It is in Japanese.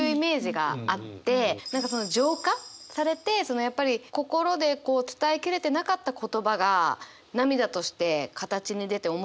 何かその浄化されてやっぱり心で伝え切れてなかった言葉が涙として形に出て表に出てくる。